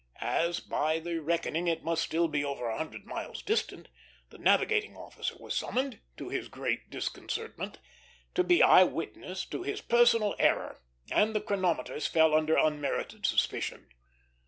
As by the reckoning it must be still over a hundred miles distant, the navigating officer was summoned, to his great disconcertment, to be eye witness of his personal error; and the chronometers fell under unmerited suspicion.